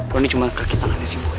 lo ini cuma kaki tangannya sih boy